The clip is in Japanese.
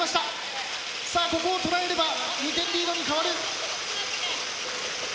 さあここを捉えれば２点リードに変わる。